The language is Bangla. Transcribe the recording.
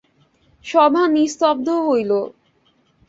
সভা নিস্তব্ধ হইল।